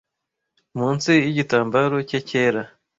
munsi yigitambaro cye cyera